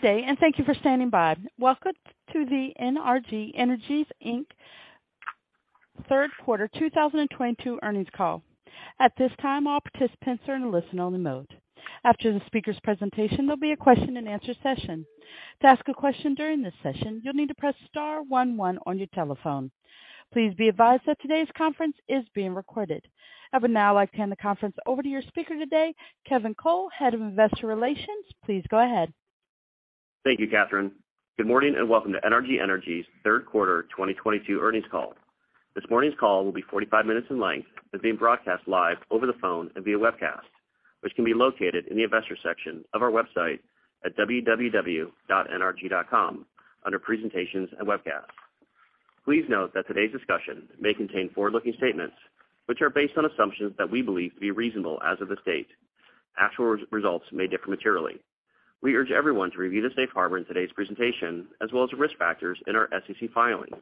Good day, and thank you for standing by. Welcome to the NRG Energy Inc. Third Quarter 2022 Earnings Call. At this time, all participants are in a listen only mode. After the speaker's presentation, there'll be a question-and-answer session. To ask a question during this session, you'll need to press star one one on your telephone. Please be advised that today's conference is being recorded. I would now like to hand the conference over to your speaker today, Kevin Cole, Head of Investor Relations. Please go ahead. Thank you, Catherine. Good morning and welcome to NRG Energy's third quarter 2022 earnings call. This morning's call will be 45 minutes in length, and being broadcast live over the phone and via webcast, which can be located in the Investor section of our website at www.nrg.com, under Presentations and Webcasts. Please note that today's discussion may contain forward-looking statements, which are based on assumptions that we believe to be reasonable as of this date. Actual results may differ materially. We urge everyone to review the Safe Harbor in today's presentation, as well as the risk factors in our SEC filings.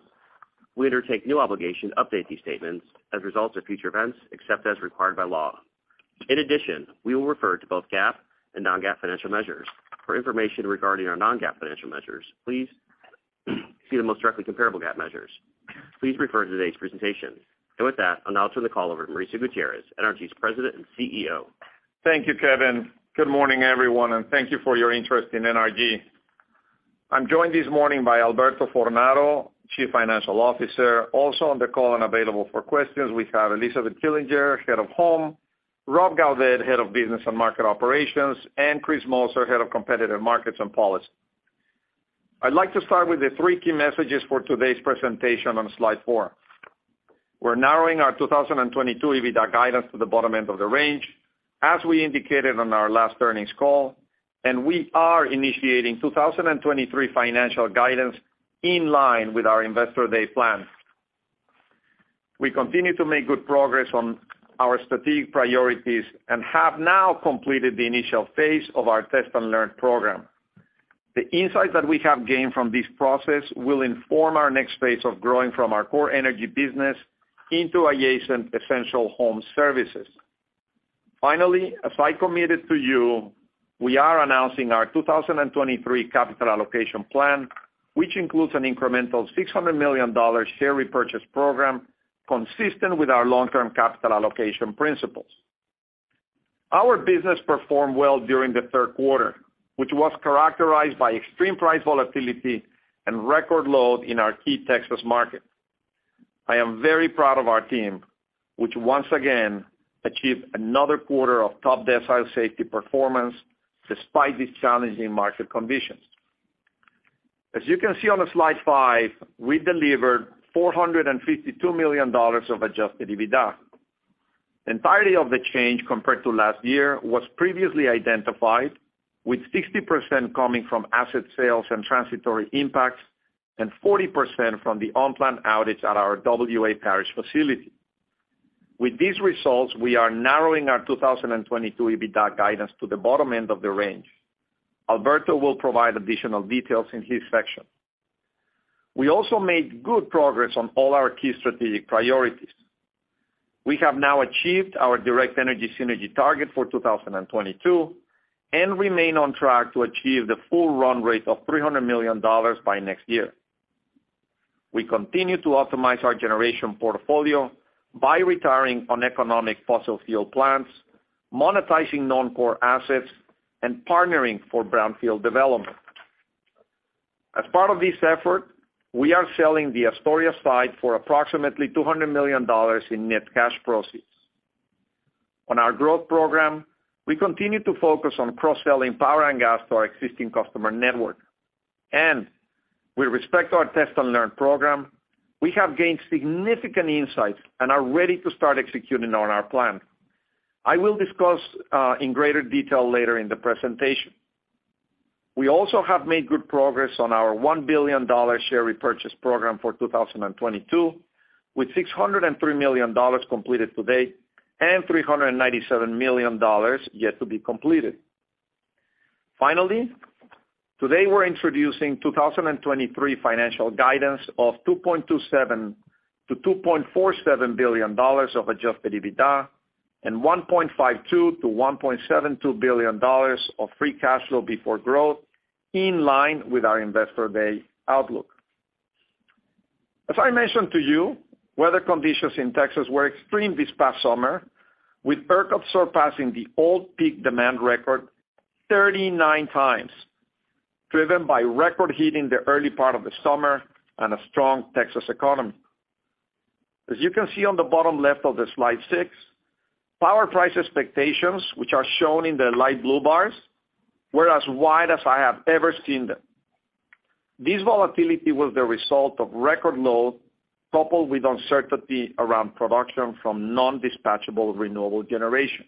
We undertake no obligation to update these statements as a result of future events except as required by law. In addition, we will refer to both GAAP and non-GAAP financial measures. For information regarding our non-GAAP financial measures, please see the most directly comparable GAAP measures. Please refer to today's presentation. With that, I'll now turn the call over to Mauricio Gutierrez, NRG's President and CEO. Thank you, Kevin. Good morning, everyone, and thank you for your interest in NRG. I'm joined this morning by Alberto Fornaro, Chief Financial Officer. Also on the call and available for questions, we have Elizabeth Killinger, Head of Home, Rob Gaudette, Head of Business and Market Operations, and Chris Moser, Head of Competitive Markets and Policy. I'd like to start with the three key messages for today's presentation on slide four. We're narrowing our 2022 EBITDA guidance to the bottom end of the range, as we indicated on our last earnings call, and we are initiating 2023 financial guidance in line with our Investor Day plan. We continue to make good progress on our strategic priorities and have now completed the initial phase of our test and learn program. The insights that we have gained from this process will inform our next phase of growing from our core energy business into adjacent essential home services. Finally, as I committed to you, we are announcing our 2023 capital allocation plan, which includes an incremental $600 million share repurchase program consistent with our long-term capital allocation principles. Our business performed well during the third quarter, which was characterized by extreme price volatility and record load in our key Texas market. I am very proud of our team, which once again achieved another quarter of top-decile safety performance despite these challenging market conditions. As you can see on the slide five, we delivered $452 million of adjusted EBITDA. Entirety of the change compared to last year was previously identified, with 60% coming from asset sales and transitory impacts and 40% from the on-plan outage at our W.A. Parish facility. With these results, we are narrowing our 2022 EBITDA guidance to the bottom end of the range. Alberto will provide additional details in his section. We also made good progress on all our key strategic priorities. We have now achieved our Direct Energy synergy target for 2022, and remain on track to achieve the full run rate of $300 million by next year. We continue to optimize our generation portfolio by retiring uneconomic fossil fuel plants, monetizing non-core assets, and partnering for brownfield development. As part of this effort, we are selling the Astoria site for approximately $200 million in net cash proceeds. On our growth program, we continue to focus on cross-selling power and gas to our existing customer network. With respect to our test and learn program, we have gained significant insights and are ready to start executing on our plan. I will discuss in greater detail later in the presentation. We also have made good progress on our $1 billion share repurchase program for 2022, with $603 million completed to date and $397 million yet to be completed. Finally, today we're introducing 2023 financial guidance of $2.27 billion-$2.47 billion of adjusted EBITDA and $1.52 billion-$1.72 billion of free cash flow before growth in line with our Investor Day outlook. As I mentioned to you, weather conditions in Texas were extreme this past summer, with ERCOT surpassing the old peak demand record 39x, driven by record heat in the early part of the summer and a strong Texas economy. As you can see on the bottom left of the slide six, power price expectations, which are shown in the light blue bars, were as wide as I have ever seen them. This volatility was the result of record low, coupled with uncertainty around production from non-dispatchable renewable generation.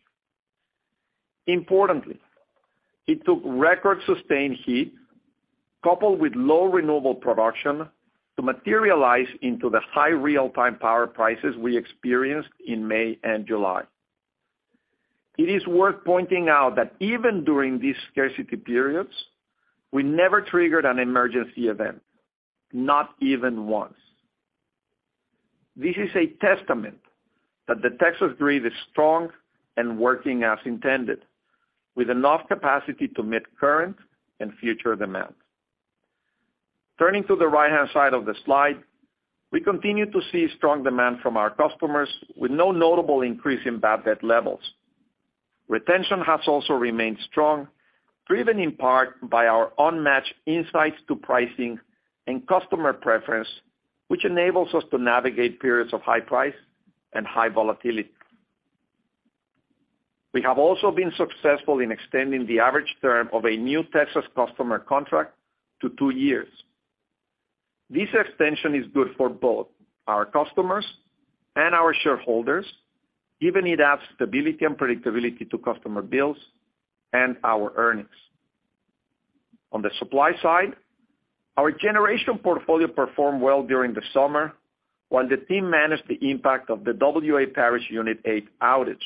Importantly, it took record sustained heat coupled with low renewable production to materialize into the high real-time power prices we experienced in May and July. It is worth pointing out that even during these scarcity periods, we never triggered an emergency event, not even once. This is a testament that the Texas grid is strong and working as intended, with enough capacity to meet current and future demands. Turning to the right-hand side of the slide, we continue to see strong demand from our customers with no notable increase in bad debt levels. Retention has also remained strong, driven in part by our unmatched insights into pricing and customer preference, which enables us to navigate periods of high price and high volatility. We have also been successful in extending the average term of a new Texas customer contract to two years. This extension is good for both our customers and our shareholders, given it adds stability and predictability to customer bills and our earnings. On the supply side, our generation portfolio performed well during the summer, while the team managed the impact of the W.A. Parish Unit 8 outage.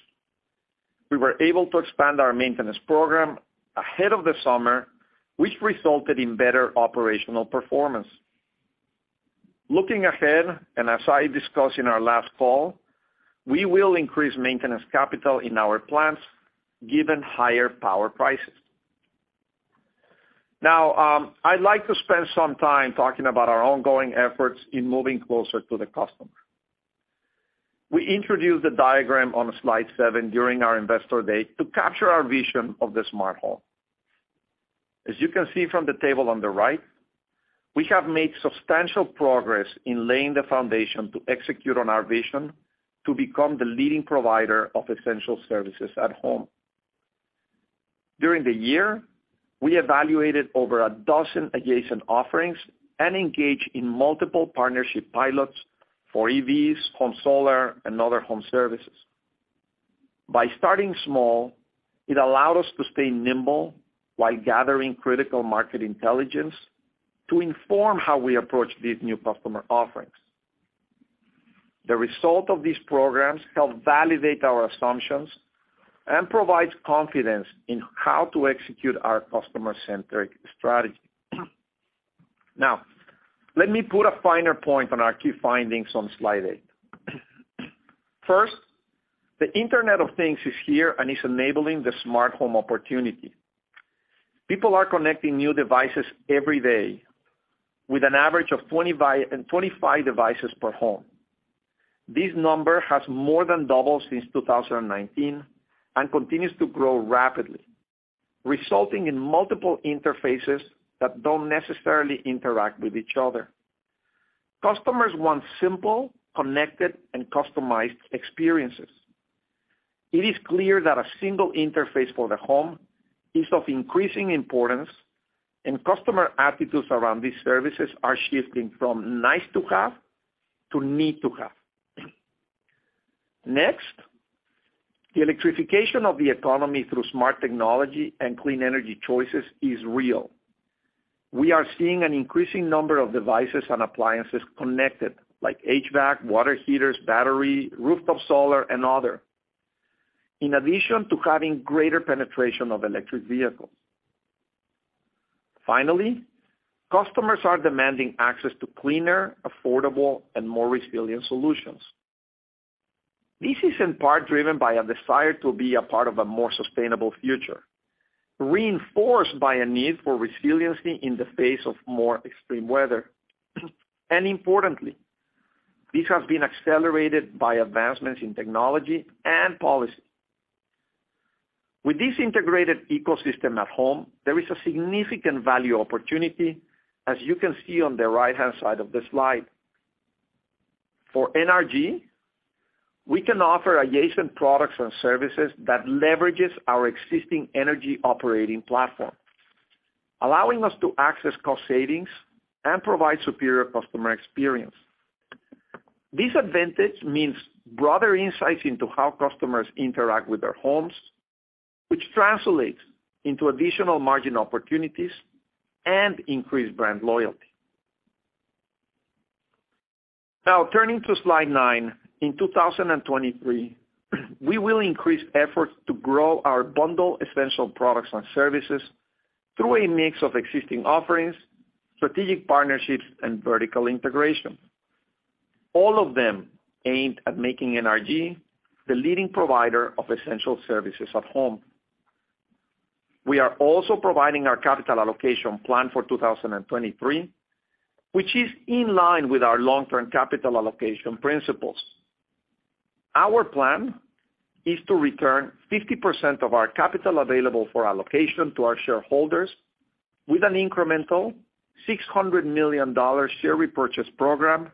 We were able to expand our maintenance program ahead of the summer, which resulted in better operational performance. Looking ahead, and as I discussed in our last call, we will increase maintenance capital in our plants given higher power prices. Now, I'd like to spend some time talking about our ongoing efforts in moving closer to the customer. We introduced the diagram on slide seven during our Investor Day to capture our vision of the smart home. As you can see from the table on the right, we have made substantial progress in laying the foundation to execute on our vision to become the leading provider of essential services at home. During the year, we evaluated over a dozen adjacent offerings and engaged in multiple partnership pilots for EVs, home solar, and other home services. By starting small, it allowed us to stay nimble while gathering critical market intelligence to inform how we approach these new customer offerings. The result of these programs help validate our assumptions and provides confidence in how to execute our customer-centric strategy. Now, let me put a finer point on our key findings on slide eight. First, the Internet of Things is here, and it's enabling the smart home opportunity. People are connecting new devices every day with an average of 25 devices per home. This number has more than doubled since 2019 and continues to grow rapidly, resulting in multiple interfaces that don't necessarily interact with each other. Customers want simple, connected, and customized experiences. It is clear that a single interface for the home is of increasing importance, and customer attitudes around these services are shifting from nice to have to need to have. Next, the electrification of the economy through smart technology and clean energy choices is real. We are seeing an increasing number of devices and appliances connected, like HVAC, water heaters, battery, rooftop solar, and other, in addition to having greater penetration of electric vehicles. Finally, customers are demanding access to cleaner, affordable, and more resilient solutions. This is in part driven by a desire to be a part of a more sustainable future, reinforced by a need for resiliency in the face of more extreme weather. Importantly, this has been accelerated by advancements in technology and policy. With this integrated ecosystem at home, there is a significant value opportunity, as you can see on the right-hand side of the slide. For NRG, we can offer adjacent products and services that leverages our existing energy operating platform, allowing us to access cost savings and provide superior customer experience. This advantage means broader insights into how customers interact with their homes, which translates into additional margin opportunities and increased brand loyalty. Now, turning to slide nine. In 2023, we will increase efforts to grow our bundled essential products and services through a mix of existing offerings, strategic partnerships, and vertical integration. All of them aimed at making NRG the leading provider of essential services at home. We are also providing our capital allocation plan for 2023, which is in line with our long-term capital allocation principles. Our plan is to return 50% of our capital available for allocation to our shareholders with an incremental $600 million share repurchase program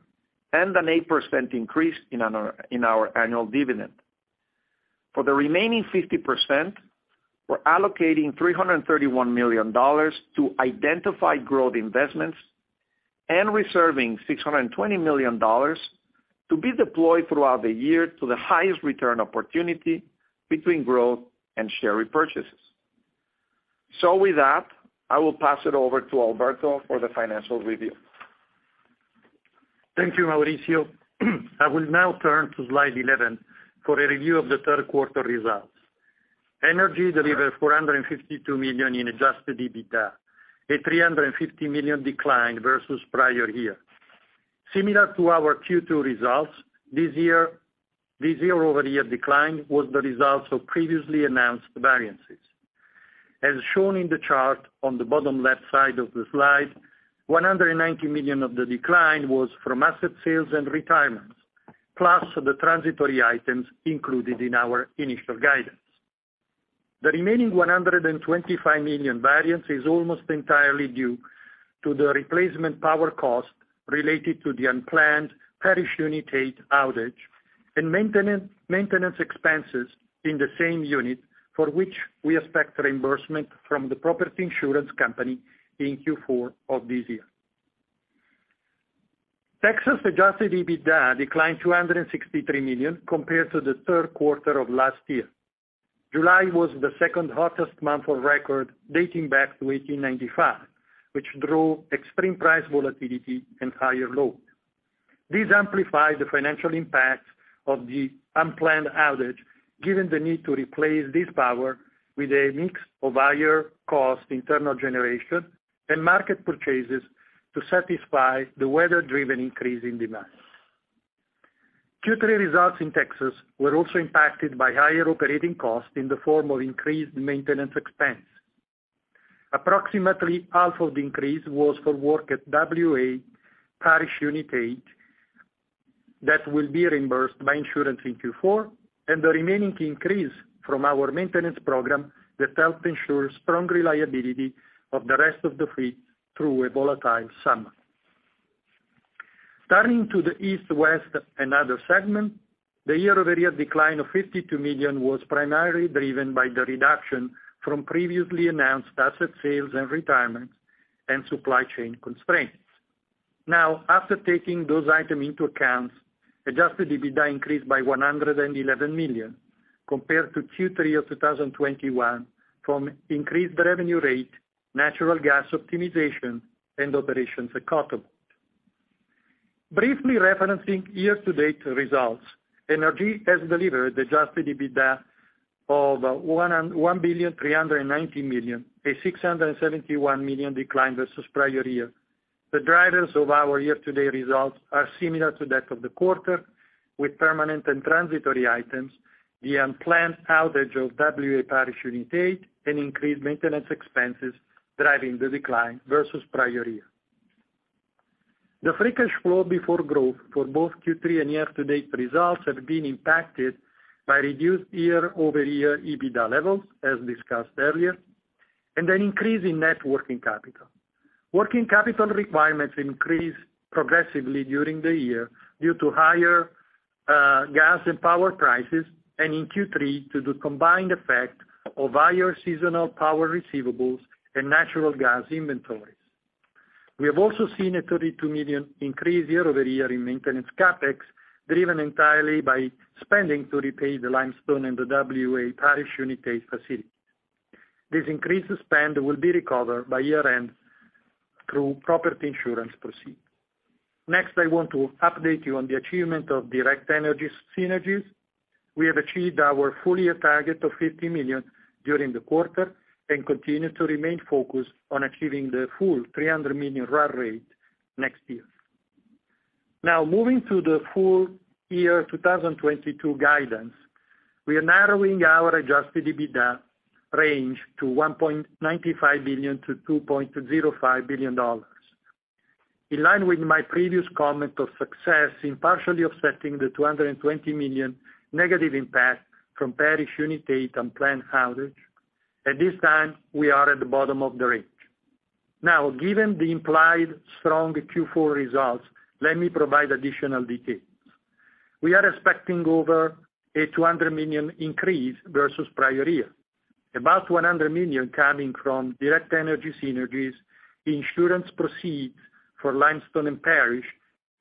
and an 8% increase in our annual dividend. For the remaining 50%, we're allocating $331 million to identify growth investments and reserving $620 million to be deployed throughout the year to the highest return opportunity between growth and share repurchases. With that, I will pass it over to Alberto for the financial review. Thank you, Mauricio. I will now turn to slide 11 for a review of the third quarter results. Energy delivered $452 million in adjusted EBITDA, a $350 million decline versus prior year. Similar to our Q2 results, this year-over-year decline was the results of previously announced variances. As shown in the chart on the bottom left side of the slide, $190 million of the decline was from asset sales and retirements, plus the transitory items included in our initial guidance. The remaining $125 million variance is almost entirely due to the replacement power cost related to the unplanned Parish Unit 8 outage and maintenance expenses in the same unit for which we expect reimbursement from the property insurance company in Q4 of this year. Texas adjusted EBITDA declined $263 million compared to the third quarter of last year. July was the second hottest month on record dating back to 1895, which drove extreme price volatility and higher load. This amplified the financial impact of the unplanned outage, given the need to replace this power with a mix of higher cost internal generation and market purchases to satisfy the weather-driven increase in demand. Q3 results in Texas were also impacted by higher operating costs in the form of increased maintenance expense. Approximately half of the increase was for work at W.A. Parish Unit 8 that will be reimbursed by insurance in Q4, and the remaining increase from our maintenance program that help ensure strong reliability of the rest of the fleet through a volatile summer. Turning to the East, West, and Other segment, the year-over-year decline of $52 million was primarily driven by the reduction from previously announced asset sales and retirements and supply chain constraints. Now, after taking those items into account, adjusted EBITDA increased by $111 million compared to Q3 of 2021 from increased revenue rate, natural gas optimization, and operations improvement. Briefly referencing year-to-date results, Energy has delivered adjusted EBITDA of $1.39 billion, a $671 million decline versus prior year. The drivers of our year-to-date results are similar to that of the quarter, with permanent and transitory items, the unplanned outage of W.A. Parish Unit 8, and increased maintenance expenses driving the decline versus prior year. The free cash flow before growth for both Q3 and year-to-date results have been impacted by reduced year-over-year EBITDA levels, as discussed earlier, and an increase in net working capital. Working capital requirements increased progressively during the year due to higher gas and power prices, and in Q3, due to combined effect of higher seasonal power receivables and natural gas inventories. We have also seen a $32 million increase year-over-year in maintenance CapEx, driven entirely by spending for repairs to the Limestone and the W.A. Parish Unit 8 facility. This increased spend will be recovered by year-end through property insurance proceeds. Next, I want to update you on the achievement of Direct Energy synergies. We have achieved our full year target of $50 million during the quarter and continue to remain focused on achieving the full $300 million run rate next year. Now moving to the full year 2022 guidance. We are narrowing our adjusted EBITDA range to $1.95 billion-$2.05 billion. In line with my previous comment of success in partially offsetting the $220 million negative impact from Parish Unit 8 unplanned outage, at this time we are at the bottom of the range. Now, given the implied strong Q4 results, let me provide additional details. We are expecting over a $200 million increase versus prior year. About $100 million coming from Direct Energy synergies, insurance proceeds for Limestone and Parish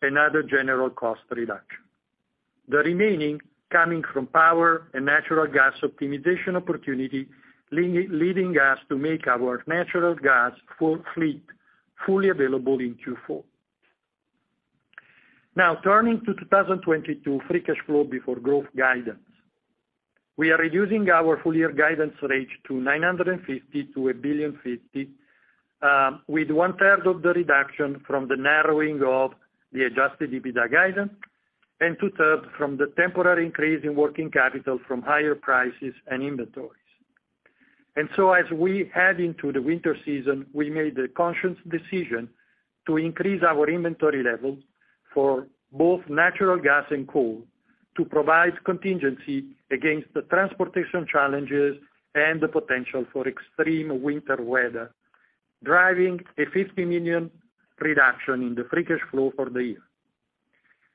and other general cost reduction. The remaining coming from power and natural gas optimization opportunity leading us to make our natural gas full fleet fully available in Q4. Now turning to 2022 free cash flow before growth guidance. We are reducing our full year guidance range to $950 million to $1.05 billion, with one-third of the reduction from the narrowing of the adjusted EBITDA guidance and two-thirds from the temporary increase in working capital from higher prices and inventories. As we head into the winter season, we made a conscious decision to increase our inventory levels for both natural gas and coal to provide contingency against the transportation challenges and the potential for extreme winter weather, driving a $50 million reduction in the free cash flow for the year.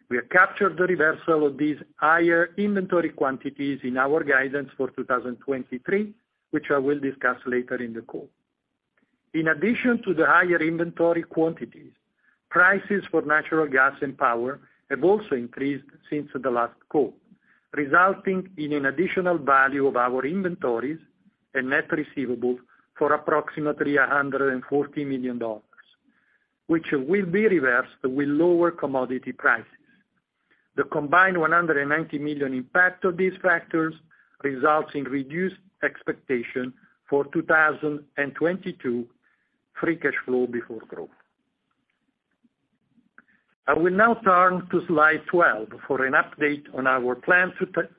We have captured the reversal of these higher inventory quantities in our guidance for 2023, which I will discuss later in the call. In addition to the higher inventory quantities, prices for natural gas and power have also increased since the last call, resulting in an additional value of our inventories and net receivable for approximately $140 million, which will be reversed with lower commodity prices. The combined $190 million impact of these factors results in reduced expectation for 2022 free cash flow before growth. I will now turn to slide 12 for an update on our planned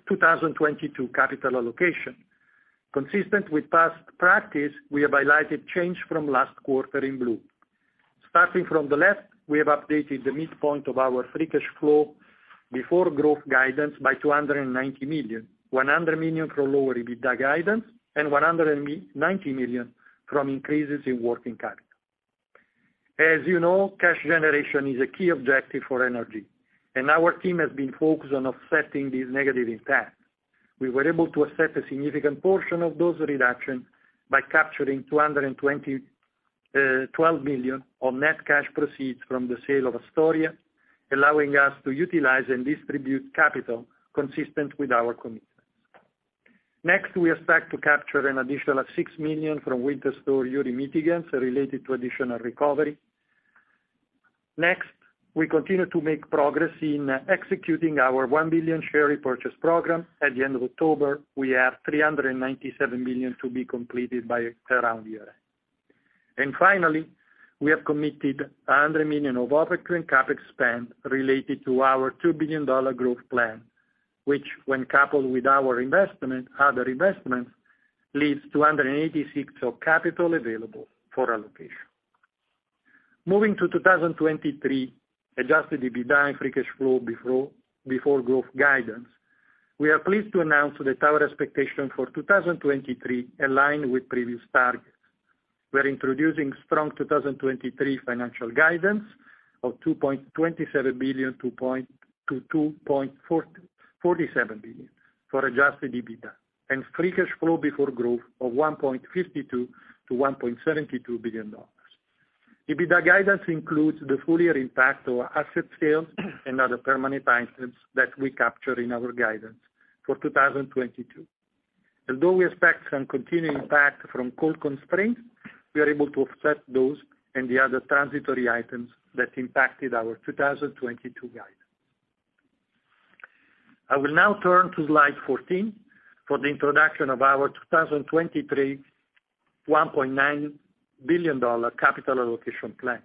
2022 capital allocation. Consistent with past practice, we have highlighted change from last quarter in blue. Starting from the left, we have updated the midpoint of our free cash flow before growth guidance by $290 million, $100 million from lower EBITDA guidance and $190 million from increases in working capital. As you know, cash generation is a key objective for NRG, and our team has been focused on offsetting these negative impacts. We were able to offset a significant portion of those reductions by capturing $212 million of net cash proceeds from the sale of Astoria, allowing us to utilize and distribute capital consistent with our commitments. Next, we expect to capture an additional $6 million from Winter Storm Uri mitigants related to additional recovery. Next, we continue to make progress in executing our $1 billion share repurchase program. At the end of October, we have $397 million to be completed by the calendar year end. Finally, we have committed $100 million of operating CapEx spend related to our $2 billion growth plan, which, when coupled with our other investments, leaves $286 million of capital available for allocation. Moving to 2023 adjusted EBITDA and free cash flow before growth guidance, we are pleased to announce that our expectation for 2023 align with previous targets. We're introducing strong 2023 financial guidance of $2.27 billion-$2.47 billion for adjusted EBITDA and free cash flow before growth of $1.52 billion-$1.72 billion. EBITDA guidance includes the full year impact of our asset sales and other permanent items that we capture in our guidance for 2022. Although we expect some continued impact from coal constraints, we are able to offset those and the other transitory items that impacted our 2022 guidance. I will now turn to slide 14 for the introduction of our 2023 $1.9 billion capital allocation plan.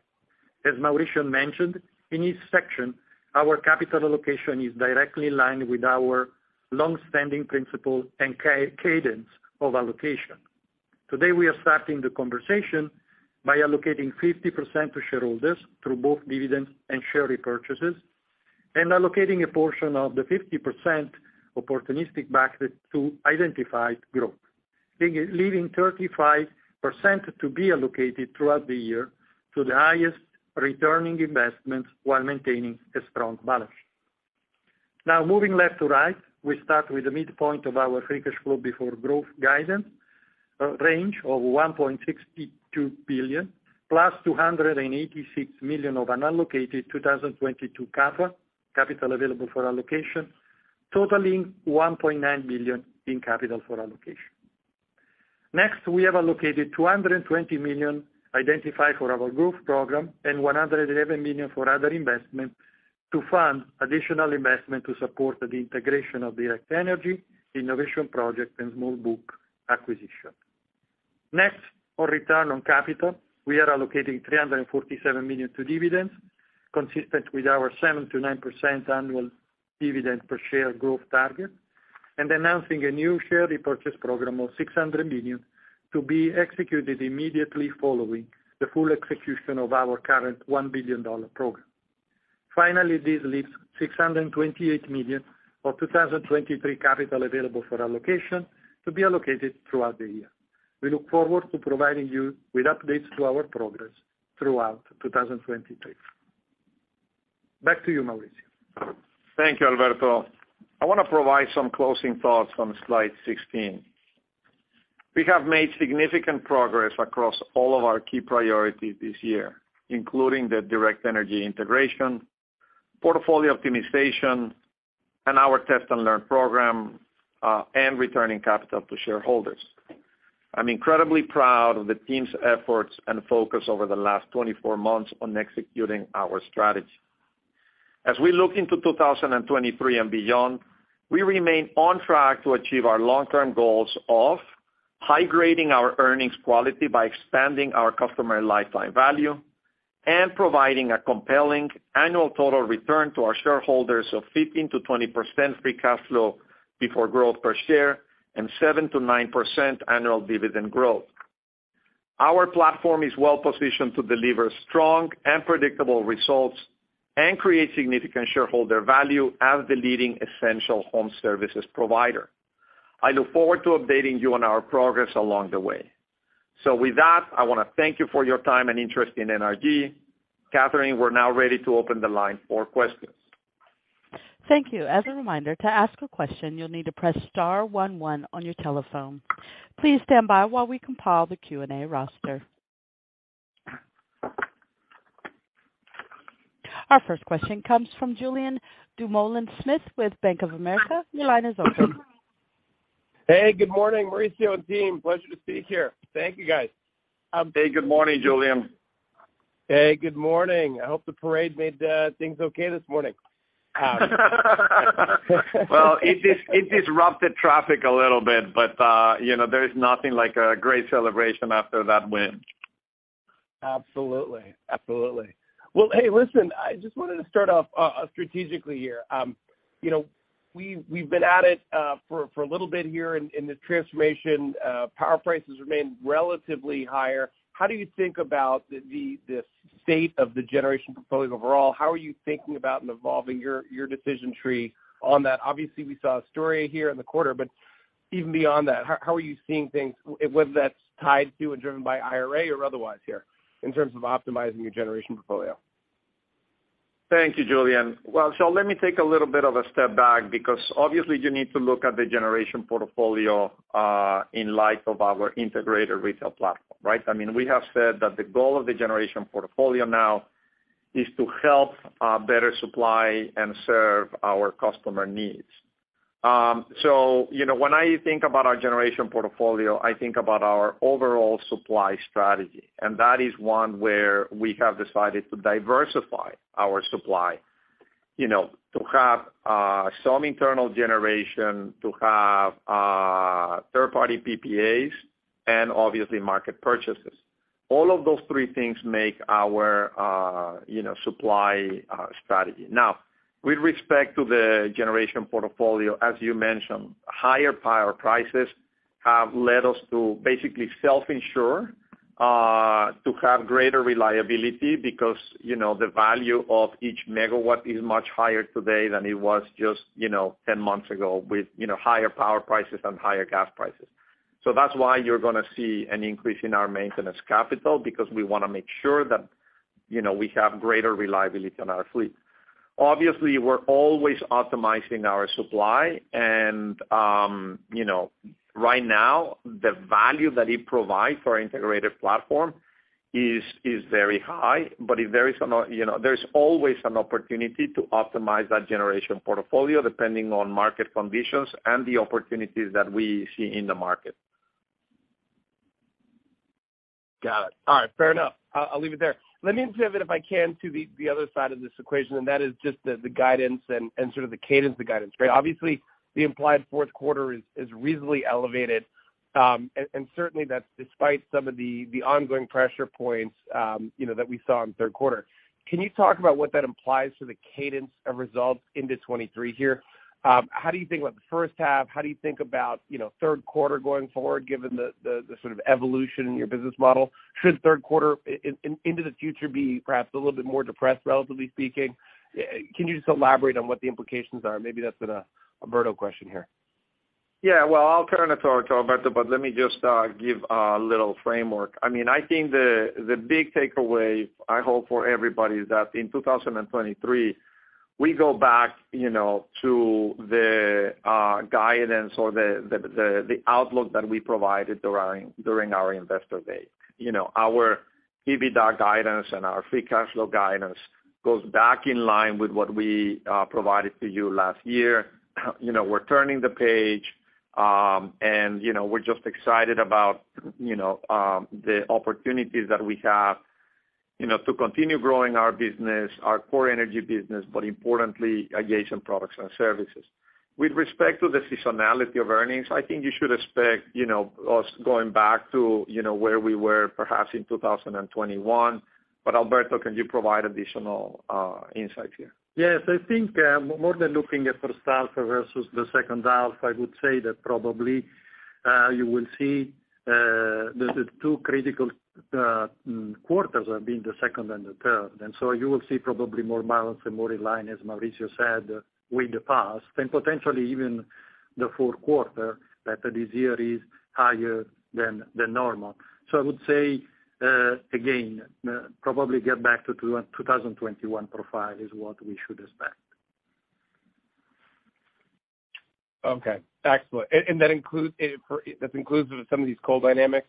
As Mauricio mentioned, in each section, our capital allocation is directly in line with our long-standing principle and cadence of allocation. Today, we are starting the conversation by allocating 50% to shareholders through both dividends and share repurchases, and allocating a portion of the 50% opportunistic back to identified growth, leaving 35% to be allocated throughout the year to the highest returning investments while maintaining a strong balance sheet. Now moving left to right, we start with the midpoint of our free cash flow before growth guidance, a range of $1.62 billion plus $286 million of unallocated 2022 CAFA, capital available for allocation, totaling $1.9 billion in capital for allocation. Next, we have allocated $220 million identified for our growth program and $111 million for other investments to fund additional investment to support the integration of Direct Energy, innovation projects, and small book acquisition. Next, for return on capital, we are allocating $347 million to dividends, consistent with our 7%-9% annual dividend per share growth target, and announcing a new share repurchase program of $600 million to be executed immediately following the full execution of our current $1 billion program. Finally, this leaves $628 million of 2023 capital available for allocation to be allocated throughout the year. We look forward to providing you with updates to our progress throughout 2023. Back to you, Mauricio. Thank you, Alberto. I want to provide some closing thoughts on slide 16. We have made significant progress across all of our key priorities this year, including the Direct Energy integration, portfolio optimization, and our test and learn program, and returning capital to shareholders. I'm incredibly proud of the team's efforts and focus over the last 24 months on executing our strategy. As we look into 2023 and beyond, we remain on track to achieve our long-term goals of high-grading our earnings quality by expanding our customer lifetime value and providing a compelling annual total return to our shareholders of 15%-20% free cash flow before growth per share and 7%-9% annual dividend growth. Our platform is well positioned to deliver strong and predictable results and create significant shareholder value as the leading essential home services provider. I look forward to updating you on our progress along the way. With that, I want to thank you for your time and interest in NRG. Catherine, we're now ready to open the line for questions. Thank you. As a reminder, to ask a question, you'll need to press star one one on your telephone. Please stand by while we compile the Q&A roster. Our first question comes from Julien Dumoulin-Smith with Bank of America. Your line is open. Hey, good morning, Mauricio and team. Pleasure to speak here. Thank you, guys. Hey, good morning, Julien. Hey, good morning. I hope the parade made things okay this morning. Well, it disrupted traffic a little bit, but you know, there is nothing like a great celebration after that win. Absolutely. Well, hey, listen, I just wanted to start off strategically here. You know, we've been at it for a little bit here in the transformation. Power prices remain relatively higher. How do you think about the state of the generation portfolio overall? How are you thinking about evolving your decision tree on that? Obviously, we saw Astoria here in the quarter, but even beyond that, how are you seeing things, whether that's tied to and driven by IRA or otherwise here in terms of optimizing your generation portfolio? Thank you, Julien. Well, let me take a little bit of a step back because obviously you need to look at the generation portfolio in light of our integrated retail platform, right? I mean, we have said that the goal of the generation portfolio now is to help better supply and serve our customer needs. You know, when I think about our generation portfolio, I think about our overall supply strategy. That is one where we have decided to diversify our supply, you know, to have some internal generation, to have third-party PPAs and obviously market purchases. All of those three things make our supply strategy. Now, with respect to the generation portfolio, as you mentioned, higher power prices have led us to basically self-insure to have greater reliability because, you know, the value of each megawatt is much higher today than it was just, you know, 10 months ago with, you know, higher power prices and higher gas prices. That's why you're going to see an increase in our maintenance capital because we want to make sure that, you know, we have greater reliability on our fleet. Obviously, we're always optimizing our supply and, you know, right now the value that it provides for our integrated platform is very high. But you know, there's always an opportunity to optimize that generation portfolio depending on market conditions and the opportunities that we see in the market. Got it. All right. Fair enough. I'll leave it there. Let me pivot, if I can, to the other side of this equation, and that is just the guidance and sort of the cadence of the guidance, right? Obviously, the implied fourth quarter is reasonably elevated, and certainly that's despite some of the ongoing pressure points, you know, that we saw in third quarter. Can you talk about what that implies for the cadence of results into 2023 here? How do you think about the first half? How do you think about, you know, third quarter going forward given the sort of evolution in your business model? Should third quarter into the future be perhaps a little bit more depressed, relatively speaking? Can you just elaborate on what the implications are? Maybe that's been an Alberto question here. Yeah. Well, I'll turn it to Alberto, but let me just give a little framework. I mean, I think the big takeaway I hope for everybody is that in 2023, we go back, you know, to the guidance or the outlook that we provided during our Investor Day. You know, our EBITDA guidance and our free cash flow guidance goes back in line with what we provided to you last year. You know, we're turning the page, and you know, we're just excited about, you know, the opportunities that we have, you know, to continue growing our business, our core energy business, but importantly, engagement products and services. With respect to the seasonality of earnings, I think you should expect, you know, us going back to, you know, where we were perhaps in 2021. Alberto, can you provide additional insight here? Yes. I think more than looking at first half versus the second half, I would say that probably you will see the two critical quarters are the second and the third. You will see probably more balance and more in line, as Mauricio said, with the past and potentially even the fourth quarter that this year is higher than normal. I would say again probably get back to 2021 profile is what we should expect. Okay. Excellent. That includes some of these coal dynamics,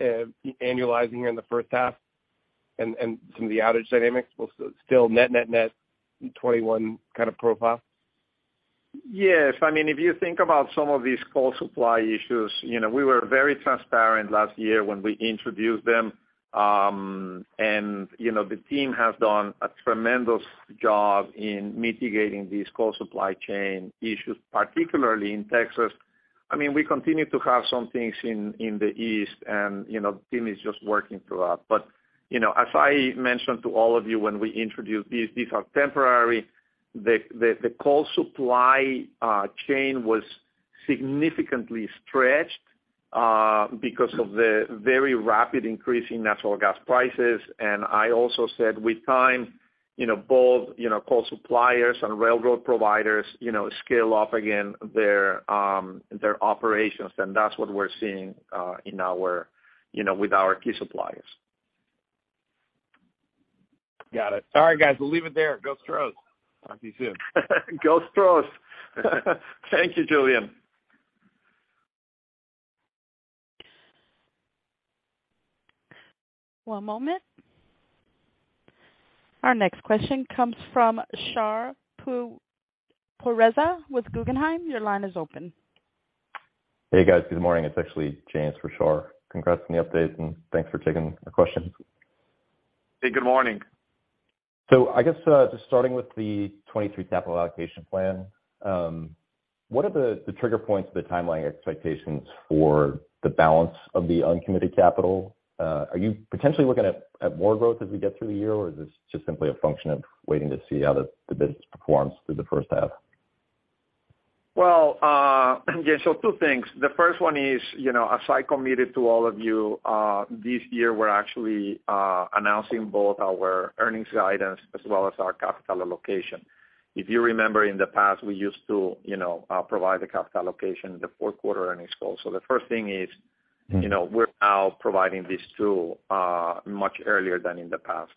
annualizing here in the first half and some of the outage dynamics will still net 2021 kind of profile? Yes. I mean, if you think about some of these coal supply issues, you know, we were very transparent last year when we introduced them. You know, the team has done a tremendous job in mitigating these coal supply chain issues, particularly in Texas. I mean, we continue to have some things in the East and, you know, the team is just working through that. You know, as I mentioned to all of you when we introduced these are temporary. The coal supply chain was significantly stretched because of the very rapid increase in natural gas prices. I also said with time, you know, both you know coal suppliers and railroad providers you know scale up again their operations, and that's what we're seeing in our you know with our key suppliers. Got it. All right, guys, we'll leave it there. Go Astros. Talk to you soon. Go Astros. Thank you, Julien. One moment. Our next question comes from Shar Pourreza with Guggenheim. Your line is open. Hey, guys. Good morning. It's actually James for Shar. Congrats on the updates and thanks for taking the questions. Hey, good morning. I guess just starting with the 2023 capital allocation plan, what are the trigger points of the timeline expectations for the balance of the uncommitted capital? Are you potentially looking at more growth as we get through the year, or is this just simply a function of waiting to see how the business performs through the first half? Well, two things. The first one is, you know, as I committed to all of you, this year we're actually announcing both our earnings guidance as well as our capital allocation. If you remember in the past, we used to, you know, provide the capital allocation in the fourth quarter earnings call. The first thing is. Mm-hmm you know, we're now providing this tool much earlier than in the past.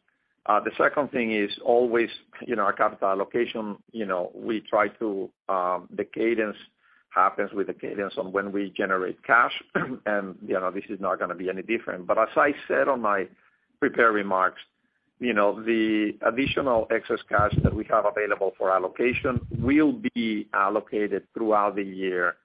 The second thing is always, you know, our capital allocation, you know, the cadence happens with the cadence of when we generate cash, and, you know, this is not going to be any different. As I said in my prepared remarks, you know, the additional excess cash that we have available for allocation will be allocated throughout the year,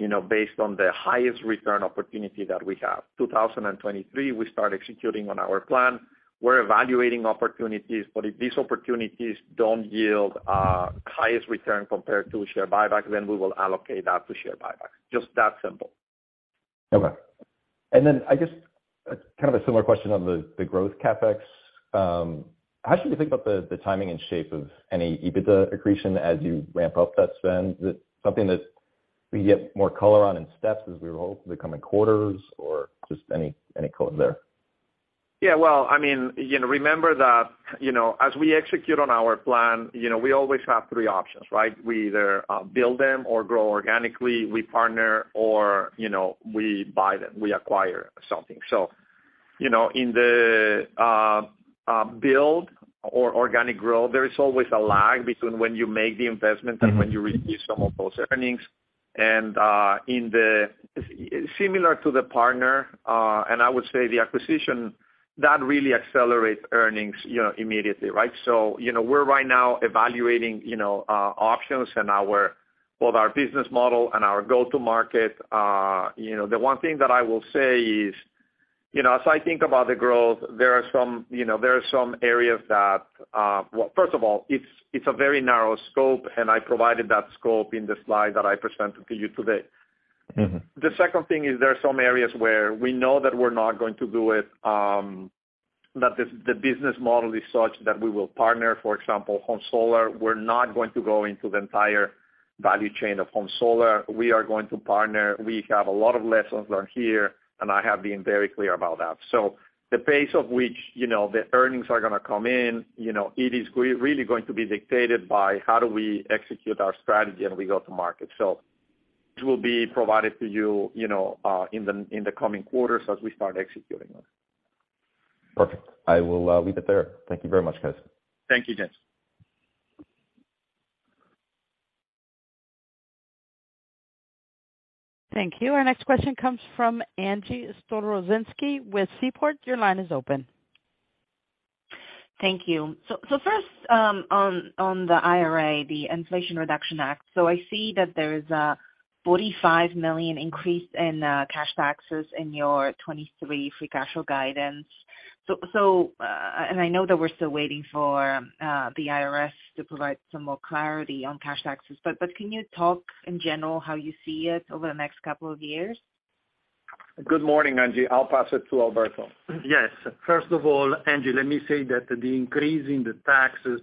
you know, based on the highest return opportunity that we have. 2023, we start executing on our plan. We're evaluating opportunities, but if these opportunities don't yield highest return compared to share buyback, then we will allocate that to share buyback. Just that simple. Okay. Then I guess kind of a similar question on the growth CapEx. How should we think about the timing and shape of any EBITDA accretion as you ramp up that spend? Is it something that we can get more color on in steps as we roll the coming quarters, or just any color there? Yeah, well, I mean, you know, remember that, you know, as we execute on our plan, you know, we always have three options, right? We either build them or grow organically, we partner or, you know, we buy them, we acquire something. You know, in the build or organic growth, there is always a lag between when you make the investment. Mm-hmm When you reduce some of those earnings. Similar to the partner, and I would say the acquisition, that really accelerates earnings, you know, immediately, right? You know, we're right now evaluating, you know, options in both our business model and our go-to market. You know, the one thing that I will say is, you know, as I think about the growth, there are some areas that, well, first of all, it's a very narrow scope, and I provided that scope in the slide that I presented to you today. Mm-hmm. The second thing is there are some areas where we know that we're not going to do it, that the business model is such that we will partner. For example, home solar, we're not going to go into the entire value chain of home solar. We are going to partner. We have a lot of lessons learned here, and I have been very clear about that. The pace at which, you know, the earnings are going to come in, you know, it is really going to be dictated by how do we execute our strategy and we go to market. It will be provided to you know, in the coming quarters as we start executing them. Perfect. I will leave it there. Thank you very much, guys. Thank you, James. Thank you. Our next question comes from Angie Storozynski with Seaport. Your line is open. Thank you. First, on the IRA, the Inflation Reduction Act, so I see that there is a $45 million increase in cash taxes in your 2023 free cash flow guidance. I know that we're still waiting for the IRS to provide some more clarity on cash taxes, but can you talk in general how you see it over the next couple of years? Good morning, Angie. I'll pass it to Alberto. Yes. First of all, Angie, let me say that the increase in the taxes,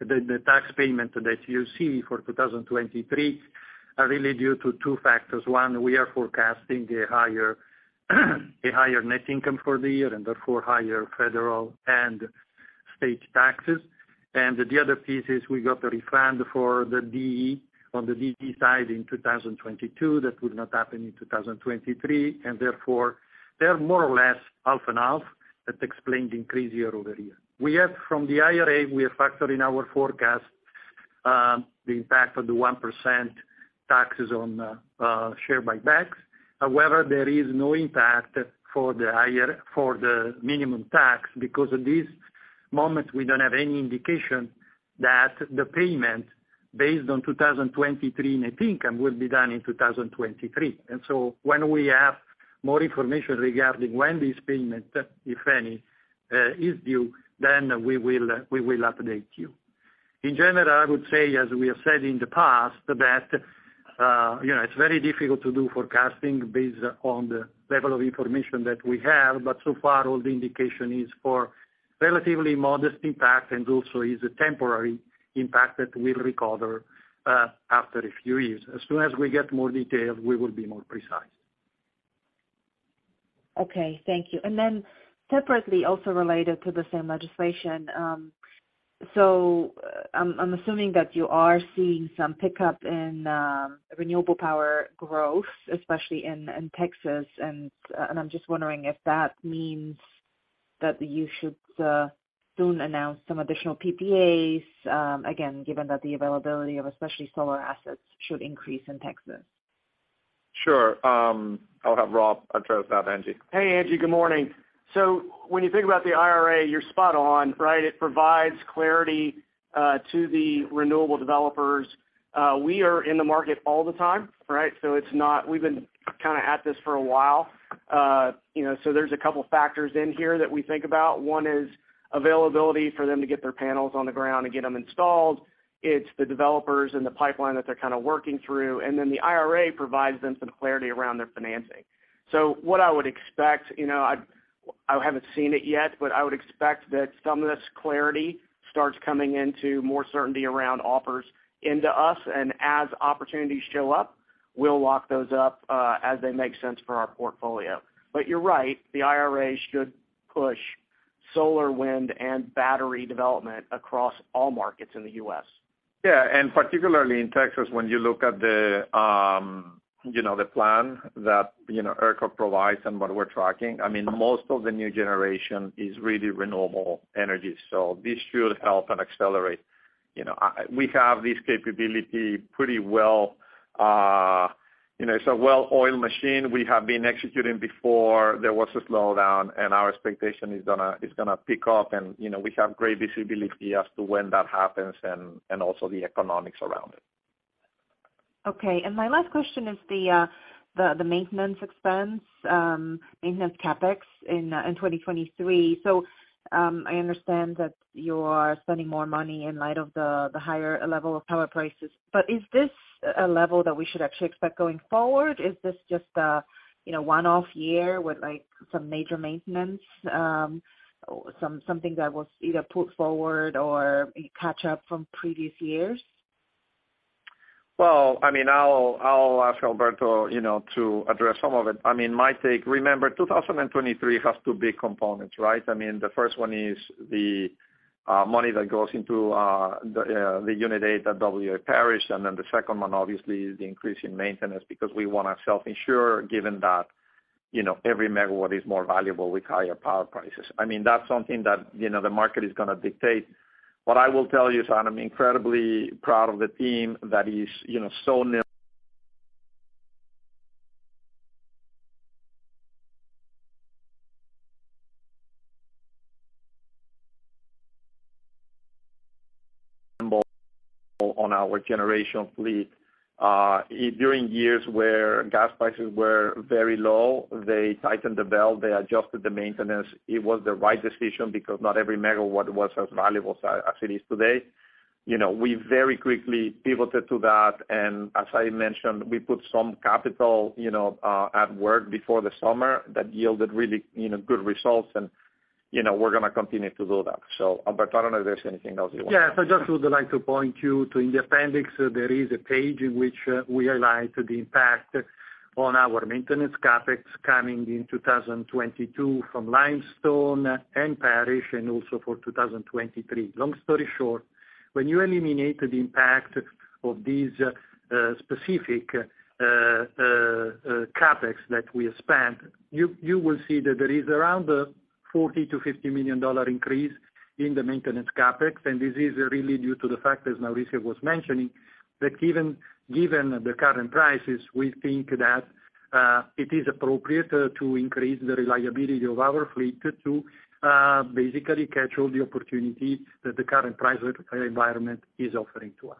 the tax payment that you see for 2023 are really due to two factors. One, we are forecasting a higher net income for the year and therefore higher federal and state taxes. The other piece is we got a refund for the DE, on the DE side in 2022. That would not happen in 2023. Therefore, they are more or less half and half. That explains the increase year-over-year. From the IRA, we have factored in our forecast the impact of the 1% taxes on share buybacks. However, there is no impact for the IRS minimum tax because at this moment we don't have any indication that the payment based on 2023 net income will be done in 2023. When we have more information regarding when this payment, if any, is due, then we will update you. In general, I would say, as we have said in the past, that you know, it's very difficult to do forecasting based on the level of information that we have, but so far all the indication is for relatively modest impact and also is a temporary impact that we'll recover after a few years. As soon as we get more details, we will be more precise. Okay, thank you. Separately, also related to the same legislation, I'm assuming that you are seeing some pickup in renewable power growth, especially in Texas. I'm just wondering if that means that you should soon announce some additional PPAs, again, given that the availability of especially solar assets should increase in Texas. Sure. I'll have Rob address that, Angie. Hey, Angie, good morning. When you think about the IRA, you're spot on, right? It provides clarity to the renewable developers. We are in the market all the time, right? We've been kind of at this for a while. You know, so there's a couple factors in here that we think about. One is availability for them to get their panels on the ground and get them installed. It's the developers and the pipeline that they're kind of working through. Then the IRA provides them some clarity around their financing. What I would expect, you know, I haven't seen it yet, but I would expect that some of this clarity starts coming into more certainty around offers into us. As opportunities show up, we'll lock those up, as they make sense for our portfolio. You're right, the IRA should push solar, wind, and battery development across all markets in the U.S. Yeah. Particularly in Texas, when you look at the plan that, you know, ERCOT provides and what we're tracking, I mean, most of the new generation is really renewable energy, so this should help and accelerate. You know, we have this capability pretty well. You know, it's a well-oiled machine we have been executing before there was a slowdown, and our expectation is it's going to pick up. You know, we have great visibility as to when that happens and also the economics around it. Okay. My last question is the maintenance expense, maintenance CapEx in 2023. I understand that you are spending more money in light of the higher level of power prices. Is this a level that we should actually expect going forward? Is this just a one-off year with like some major maintenance, something that was either put forward or catch up from previous years? Well, I mean, I'll ask Alberto, you know, to address some of it. I mean, remember, 2023 has two big components, right? I mean, the first one is the money that goes into the Unit 8 at W.A. Parish. The second one obviously is the increase in maintenance because we want to self-insure given that, you know, every megawatt is more valuable with higher power prices. I mean, that's something that, you know, the market is going to dictate. What I will tell you is I'm incredibly proud of the team that is, you know, so near on our generation fleet. During years where gas prices were very low, they tightened the belt, they adjusted the maintenance. It was the right decision because not every megawatt was as valuable as it is today. You know, we very quickly pivoted to that. As I mentioned, we put some capital, you know, at work before the summer that yielded really, you know, good results and, you know, we're going to continue to do that. Alberto, I don't know if there's anything else you want. Yes, I just would like to point you to in the appendix, there is a page in which we highlight the impact on our maintenance CapEx coming in 2022 from Limestone and Parish, and also for 2023. Long story short, when you eliminate the impact of these specific CapEx that we spent, you will see that there is around a $40 million-$50 million increase in the maintenance CapEx, and this is really due to the fact, as Mauricio was mentioning, that given the current prices, we think that it is appropriate to increase the reliability of our fleet to basically capture the opportunity that the current price environment is offering to us.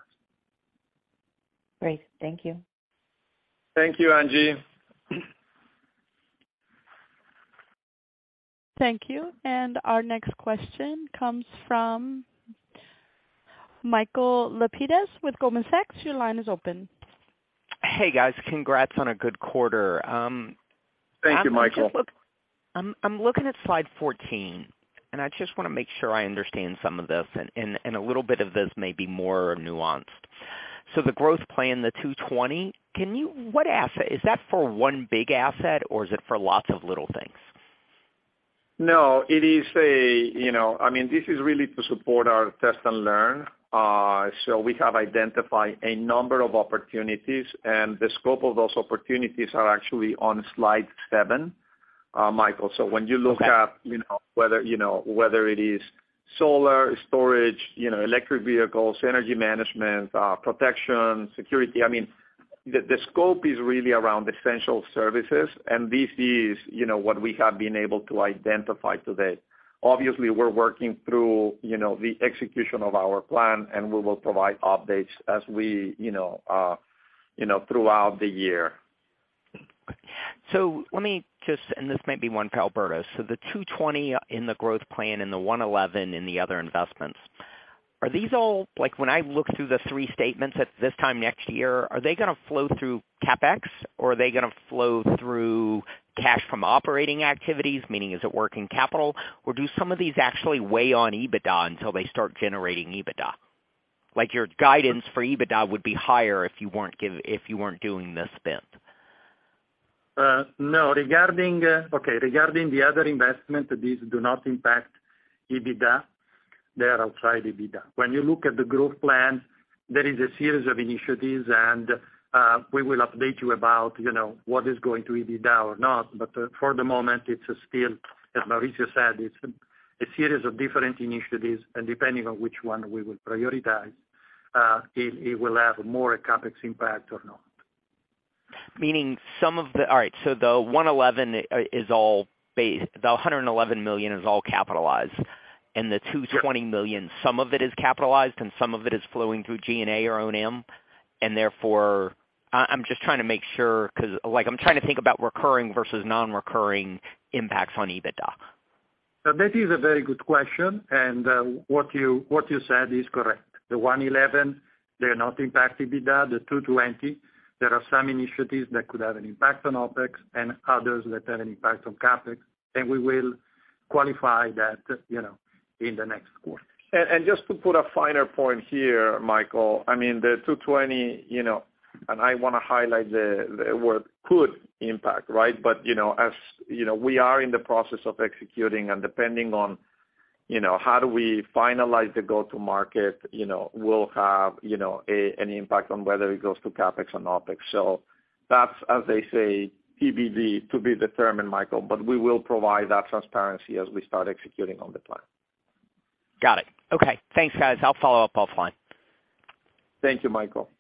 Great. Thank you. Thank you, Angie. Thank you. Our next question comes from Michael Lapides with Goldman Sachs. Your line is open. Hey, guys. Congrats on a good quarter. Thank you, Michael. I'm looking at slide 14, and I just want to make sure I understand some of this, and a little bit of this may be more nuanced. The growth plan, the 2020, can you, what asset? Is that for one big asset or is it for lots of little things? No, it is a, you know, I mean, this is really to support our test and learn. We have identified a number of opportunities, and the scope of those opportunities are actually on slide seven, Michael. When you look at, you know, whether, you know, whether it is solar storage, you know, electric vehicles, energy management, protection, security, I mean, the scope is really around essential services, and this is, you know, what we have been able to identify to date. Obviously, we're working through, you know, the execution of our plan, and we will provide updates as we, you know, throughout the year. This might be one for Alberto. The $220 million in the growth plan and the $111 million in the other investments, are these all like, when I look through the three statements at this time next year, are they going to flow through CapEx or are they going to flow through cash from operating activities, meaning is it working capital? Or do some of these actually weigh on EBITDA until they start generating EBITDA? Like your guidance for EBITDA would be higher if you weren't doing the spend. No. Regarding the other investment, these do not impact EBITDA. They are outside EBITDA. When you look at the growth plan, there is a series of initiatives and we will update you about, you know, what is going to EBITDA or not. But for the moment, it's still, as Mauricio said, it's a series of different initiatives, and depending on which one we will prioritize, it will have more CapEx impact or not. All right, the $111 million is all capitalized. The $220 million, some of it is capitalized and some of it is flowing through G&A or O&M. Therefore, I'm just trying to make sure because, like, I'm trying to think about recurring versus non-recurring impacts on EBITDA. That is a very good question. What you said is correct. The $111 million, they're not impacting EBITDA. The $220 million, there are some initiatives that could have an impact on OpEx and others that have an impact on CapEx. We will qualify that, you know, in the next quarter. Just to put a finer point here, Michael, I mean, the $220 million, you know, and I want to highlight the word could impact, right? You know, as you know, we are in the process of executing and depending on, you know, how we finalize the go-to market, you know, will have, you know, an impact on whether it goes to CapEx or OpEx. That's, as they say, TBD, to be determined, Michael, but we will provide that transparency as we start executing on the plan. Got it. Okay. Thanks, guys. I'll follow up offline. Thank you, Michael.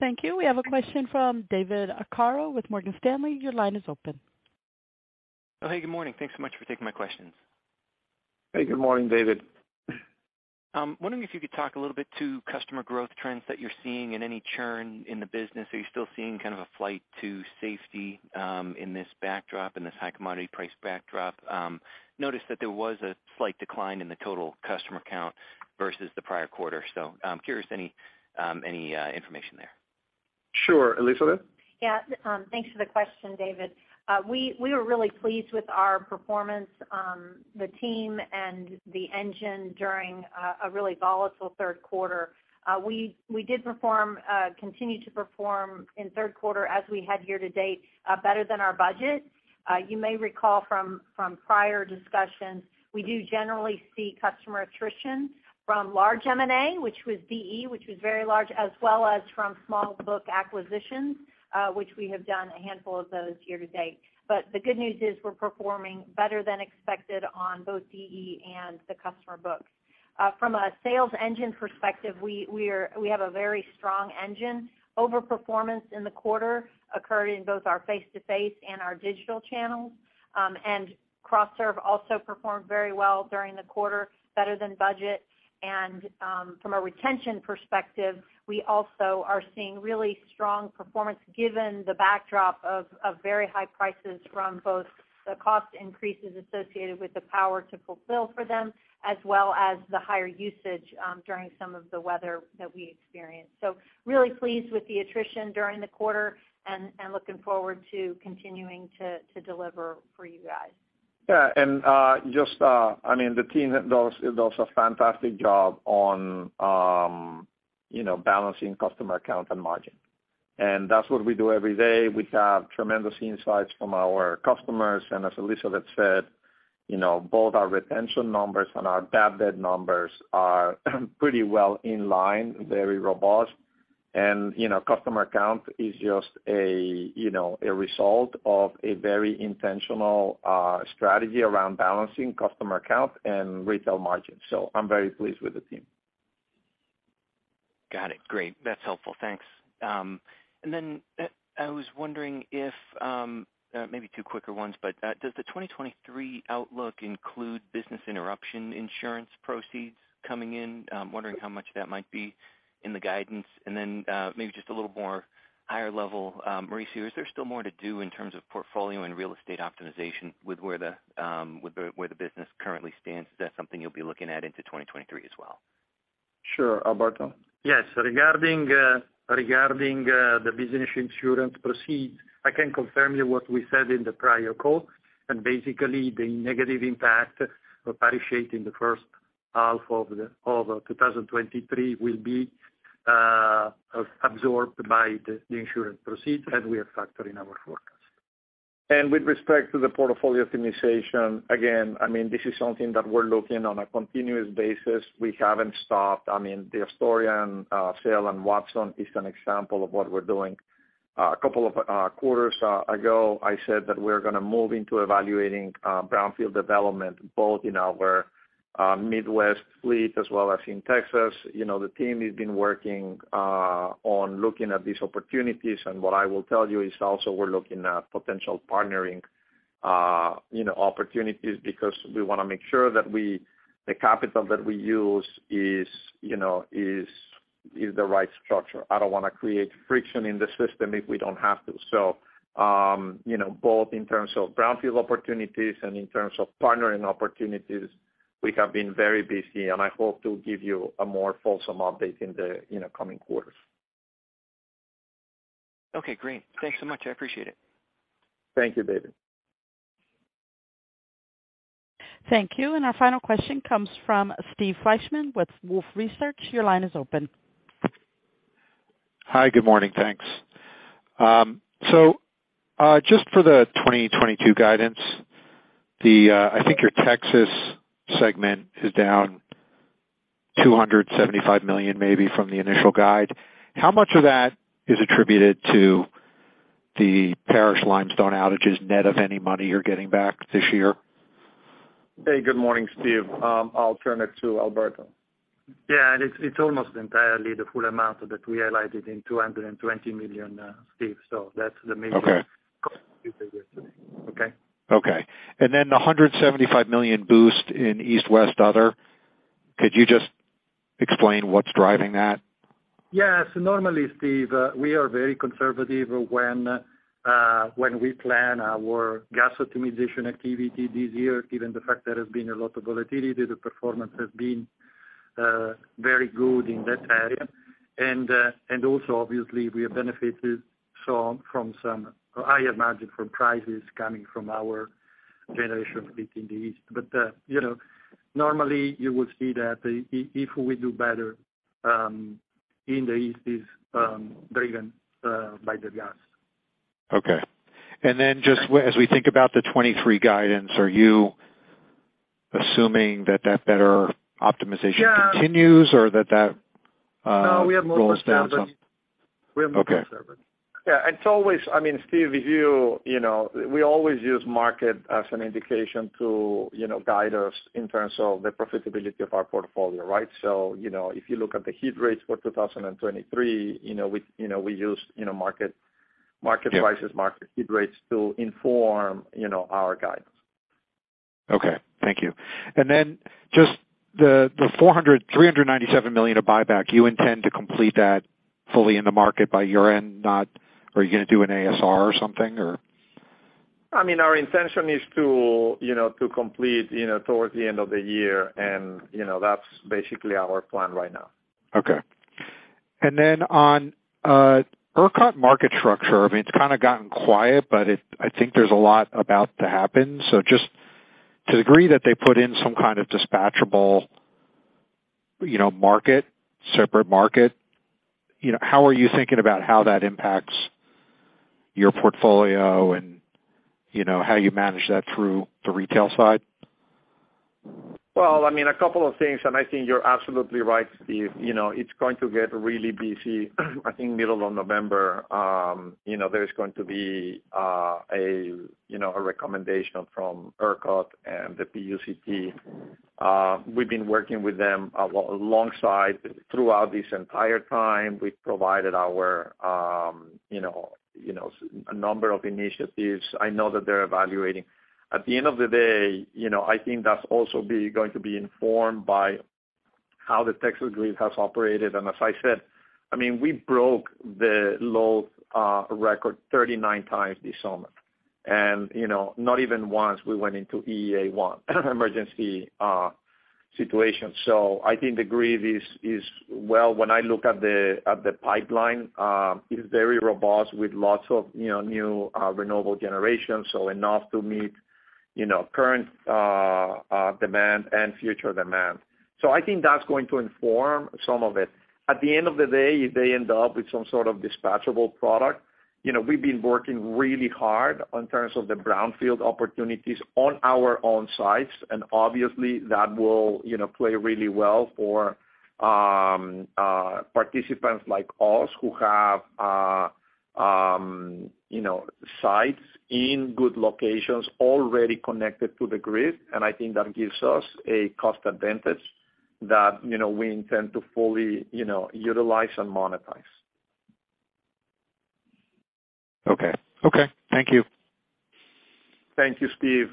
Thank you. We have a question from David Arcaro with Morgan Stanley. Your line is open. Oh, hey, good morning. Thanks so much for taking my questions. Hey, good morning, David. Wondering if you could talk a little bit to customer growth trends that you're seeing and any churn in the business. Are you still seeing kind of a flight to safety, in this backdrop, in this high commodity price backdrop? Noticed that there was a slight decline in the total customer count versus the prior quarter. I'm curious any information there. Sure. Elizabeth? Yeah. Thanks for the question, David. We were really pleased with our performance, the team and the engine during a really volatile third quarter. We continued to perform in third quarter as we had year-to-date, better than our budget. You may recall from prior discussions, we do generally see customer attrition from large M&A, which was DE, which was very large, as well as from small book acquisitions, which we have done a handful of those year to date. The good news is we're performing better than expected on both DE and the customer books. From a sales engine perspective, we have a very strong engine. Overperformance in the quarter occurred in both our face-to-face and our digital channels. Cross-sell also performed very well during the quarter, better than budget. From a retention perspective, we also are seeing really strong performance given the backdrop of very high prices from both the cost increases associated with the power to fulfill for them, as well as the higher usage during some of the weather that we experienced. Really pleased with the attrition during the quarter and looking forward to continuing to deliver for you guys. Yeah. Just, I mean, the team does a fantastic job on, you know, balancing customer count and margin. That's what we do every day. We have tremendous insights from our customers. As Elizabeth said, you know, both our retention numbers and our bad debt numbers are pretty well in line, very robust. You know, customer count is just a, you know, a result of a very intentional strategy around balancing customer count and retail margin. I'm very pleased with the team. Got it. Great. That's helpful. Thanks. I was wondering if maybe two quicker ones, but does the 2023 outlook include business interruption insurance proceeds coming in? Wondering how much that might be in the guidance. Maybe just a little more higher level, Mauricio, is there still more to do in terms of portfolio and real estate optimization with where the business currently stands? Is that something you'll be looking at into 2023 as well? Sure. Alberto? Yes. Regarding the business insurance proceeds, I can confirm you what we said in the prior call. Basically, the negative impact of Parish Unit 8 in the first half of 2023 will be absorbed by the insurance proceeds, and we are factoring our forecast. With respect to the portfolio optimization, again, I mean, this is something that we're looking on a continuous basis. We haven't stopped. I mean, the Astoria sale on Astoria is an example of what we're doing. A couple of quarters ago, I said that we're going to move into evaluating brownfield development, both in our Midwest fleet as well as in Texas. You know, the team has been working on looking at these opportunities. What I will tell you is also we're looking at potential partnering, you know, opportunities because we want to make sure that the capital that we use is, you know, is the right structure. I don't want to create friction in the system if we don't have to. You know, both in terms of brownfield opportunities and in terms of partnering opportunities, we have been very busy, and I hope to give you a more fulsome update in the, you know, coming quarters. Okay, great. Thanks so much. I appreciate it. Thank you, David. Thank you. Our final question comes from Steve Fleishman with Wolfe Research. Your line is open. Hi. Good morning. Thanks. Just for the 2022 guidance, I think your Texas segment is down $275 million maybe from the initial guide. How much of that is attributed to the Parish Limestone outages net of any money you're getting back this year? Hey, good morning, Steve. I'll turn it to Alberto. Yeah. It's almost entirely the full amount that we highlighted in $220 million, Steve. That's the main- Okay. Cost today. Okay? Okay. The $175 million boost in East-West other, could you just explain what's driving that? Yes. Normally, Steve, we are very conservative when we plan our gas optimization activity this year, given the fact there has been a lot of volatility, the performance has been very good in that area. Also, obviously, we have benefited some from some higher margin from prices coming from our generation fleet in the east. You know, normally you would see that if we do better in the east is driven by the gas. Okay. As we think about the 2023 guidance, are you assuming that better optimization? Yeah. -continues or that that, uh- No, we have more conservative. Rolls down some? We have more conservative. Okay. Yeah. It's always, I mean, Steve, if you know, we always use market as an indication to, you know, guide us in terms of the profitability of our portfolio, right? You know, if you look at the heat rates for 2023, you know, we, you know, we use, you know, market prices. Yeah. Market heat rates to inform, you know, our guidance. Okay. Thank you. Just the $397 million of buyback, do you intend to complete that fully in the market by year-end? Are you going to do an ASR or something, or? I mean, our intention is to, you know, to complete, you know, towards the end of the year. You know, that's basically our plan right now. Okay. On ERCOT market structure, I mean, it's kind of gotten quiet, but I think there's a lot about to happen. Just to the degree that they put in some kind of dispatchable, you know, market, separate market, you know, how are you thinking about how that impacts your portfolio and, you know, how you manage that through the retail side? Well, I mean, a couple of things, and I think you're absolutely right, Steve. You know, it's going to get really busy, I think middle of November. You know, there's going to be a recommendation from ERCOT and the PUCT. We've been working with them alongside throughout this entire time. We've provided our you know, a number of initiatives I know that they're evaluating. At the end of the day, you know, I think that's also going to be informed by how the Texas grid has operated. As I said, I mean, we broke the load record 39x this summer. You know, not even once we went into EEA1 emergency situation. I think the grid is well. When I look at the pipeline, it is very robust with lots of, you know, new, renewable generation, so enough to meet, you know, current, demand and future demand. I think that's going to inform some of it. At the end of the day, if they end up with some sort of dispatchable product, you know, we've been working really hard in terms of the brownfield opportunities on our own sites, and obviously that will, you know, play really well for, participants like us who have, you know, sites in good locations already connected to the grid. I think that gives us a cost advantage that, you know, we intend to fully, you know, utilize and monetize. Okay. Thank you. Thank you, Steve.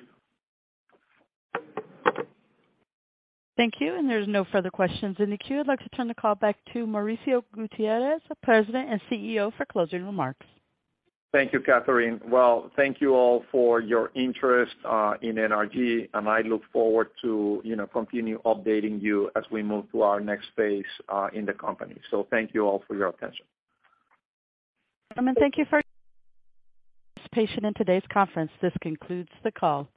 Thank you. There's no further questions in the queue. I'd like to turn the call back to Mauricio Gutierrez, President and CEO, for closing remarks. Thank you, Catherine. Well, thank you all for your interest in NRG, and I look forward to, you know, continue updating you as we move to our next phase in the company. Thank you all for your attention. Thank you for participation in today's conference. This concludes the call.